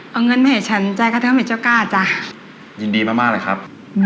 เอาเงินมาให้ฉันจ้ะคะทำให้เจ้ากล้าจ้ะยินดีมากมากเลยครับ